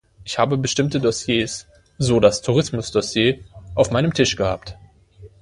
Ich habe bestimmte Dossiers, so das Tourismus-Dossier, auf meinem Tisch gehabt.